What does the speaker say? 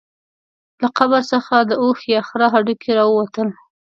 له قبر څخه د اوښ یا خره هډوکي راووتل.